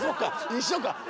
一緒か。